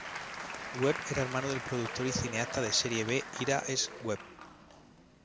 Webb era hermano del productor y cineasta de serie B Ira S. Webb.